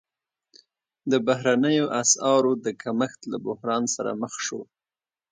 د بهرنیو اسعارو د کمښت له بحران سره مخ شو.